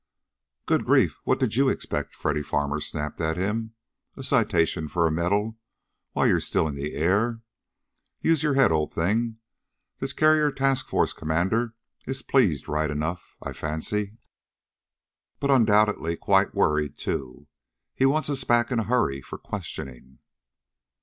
"Good grief, what did you expect?" Freddy Farmer snapped at him. "A citation for a medal while you're still in the air? Use your head, old thing. The carrier task force commander is pleased right enough, I fancy. But undoubtedly quite worried, too. He wants us back in a hurry for questioning."